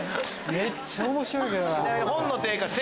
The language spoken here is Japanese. めっちゃ面白いけどな。